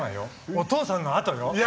お父さんのあとよ。